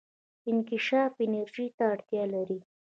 انکشاف انرژي ته اړتیا لري.